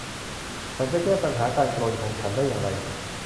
ฉันจะแก้ปัญหาการกรนของฉันได้อย่างไร